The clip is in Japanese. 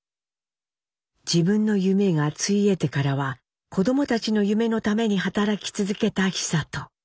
自分の夢がついえてからは子どもたちの夢のために働き続けた久渡。